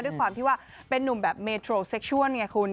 ด้วยความที่ว่าเป็นนุ่มแบบเมโทรเซ็กชวนไงคุณ